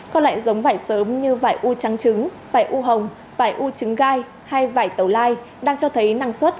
có loại giống vải sớm như vải u trắng trứng vải u hồng vải u trứng gai hay vải tẩu lai đang cho thấy năng suất